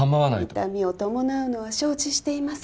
痛みを伴うのは承知しています